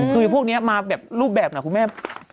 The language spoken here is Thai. คือพวกนี้มาแบบรูปแบบนะคุณแม่